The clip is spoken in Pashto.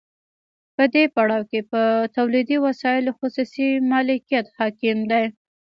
په دې پړاو کې په تولیدي وسایلو خصوصي مالکیت حاکم دی